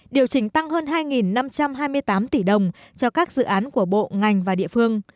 điều chỉnh tăng hơn hai năm trăm hai mươi tám tỷ đồng cho các dự án của bộ ngành và địa phương